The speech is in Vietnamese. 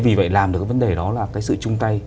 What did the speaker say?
vì vậy làm được cái vấn đề đó là cái sự chung tay